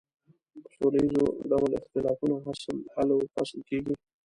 په سوله ایز ډول اختلافونه حل و فصل کیږي.